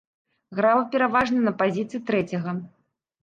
Грала пераважна на пазіцыі трэцяга.